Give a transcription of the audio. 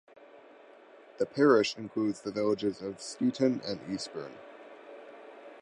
The parish includes the villages of Steeton and Eastburn.